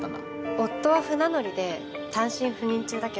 夫は船乗りで単身赴任中だけど。